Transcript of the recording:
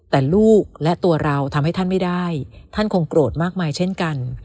แต่ลูกและตัวเราทำให้ท่านไม่ได้ท่านคงโกรธมากมายเช่นกัน